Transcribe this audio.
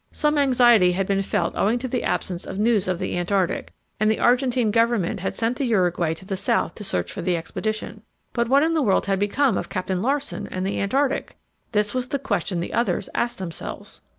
Some anxiety had been felt owing to the absence of news of the Antarctic, and the Argentine Government had sent the Uruguay to the South to search for the expedition. But what in the world had become of Captain Larsen and the Antarctic? This was the question the others asked themselves.